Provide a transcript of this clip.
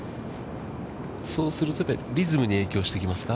そうすると、リズムに影響してきますか？